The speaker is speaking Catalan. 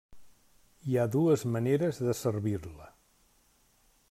Hi ha dues maneres de servir-la.